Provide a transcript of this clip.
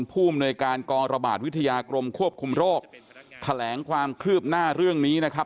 ผู้อำนวยการกองระบาดวิทยากรมควบคุมโรคแถลงความคืบหน้าเรื่องนี้นะครับ